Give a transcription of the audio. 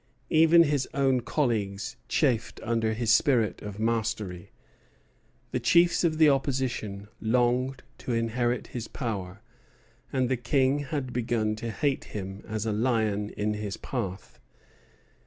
Even his own colleagues chafed under his spirit of mastery; the chiefs of the Opposition longed to inherit his power; and the King had begun to hate him as a lion in his path.